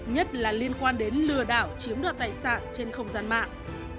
nhất là liên quan đến lừa đảo chiếm đoạt tài sản trên không gian mạng